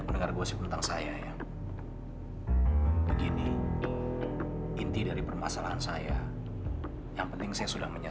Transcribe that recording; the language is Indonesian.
sampai jumpa di video selanjutnya